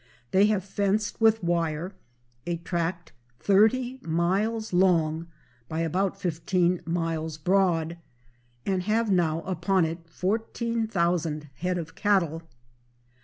They have fenced with wire a tract thirty miles long by about fifteen miles broad, and have now upon it 14,000 head of cattle.